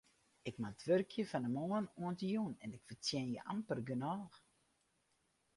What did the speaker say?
Ik moat wurkje fan de moarn oant de jûn en ik fertsjinje amper genôch.